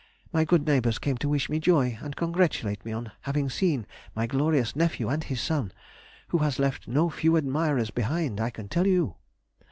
My good neighbours came to wish me joy, and congratulate me on having seen my glorious nephew and his son (who has left no few admirers behind, I can tell you).